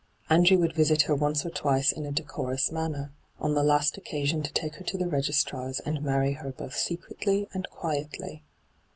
Andrew would visit her once or twice in a decorous manner, on the last occasion to take her to the registrar's and marry her both secretly and quietly.